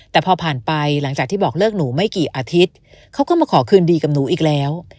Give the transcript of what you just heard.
แต่พอผ่านไปหลังจากที่บอกเลิกหนูไม่กี่อาทิตย์เขาก็มาขอคืนดีกับหนูอีกแล้ว